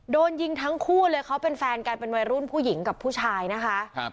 โดนยิงทั้งคู่เลยเขาเป็นแฟนกันเป็นวัยรุ่นผู้หญิงกับผู้ชายนะคะ